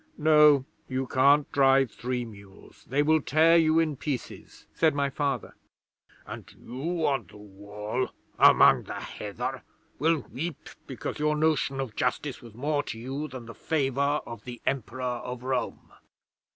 '"No; you can't drive three mules. They will tear you in pieces," said my Father. '"And you on the Wall, among the heather, will weep because your notion of justice was more to you than the favour of the Emperor of Rome."